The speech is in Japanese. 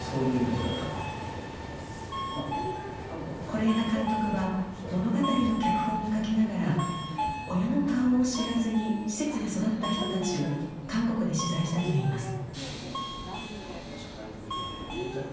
是枝監督は、物語の脚本を書きながら、親の顔を知らずに施設で育った人たちを韓国で取材したといいます。